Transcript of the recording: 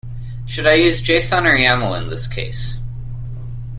Should I use json or yaml in this case?